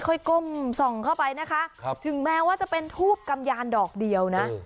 ก้มส่องเข้าไปนะคะถึงแม้ว่าจะเป็นทูบกำยานดอกเดียวนะ